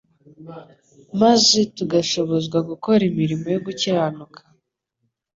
maze tugashobozwa gukora imirimo yo gukiranuka